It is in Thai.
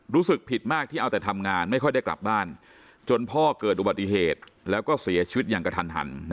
รู้สึกผิดมากที่เอาแต่ทำงานไม่ค่อยได้กลับบ้านจนพ่อเกิดอุบัติเหตุแล้วก็เสียชีวิตอย่างกระทัน